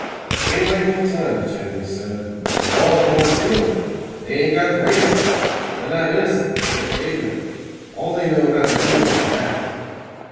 "T'aint like old times, Jim," he said. "The Molls won't steal now. They aint got brains enough. They are not innocent. They are ignorant. All they know how to do is the badger."